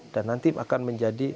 dan nanti akan menjadi